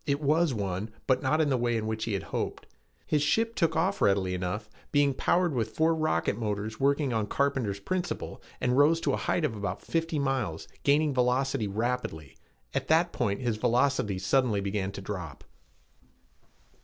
It was one, but not in the way which he had hoped. His ship took off readily enough, being powered with four rocket motors working on Carpenter's principle, and rose to a height of about fifty miles, gaining velocity rapidly. At that point his velocity suddenly began to drop.